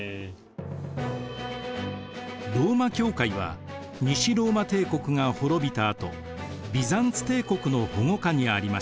ローマ教会は西ローマ帝国が滅びたあとビザンツ帝国の保護下にありました。